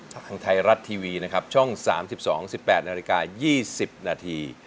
ทางไทยรัฐทีวีนะครับช่อง๓๒๑๘นาฬิกา๒๐นาที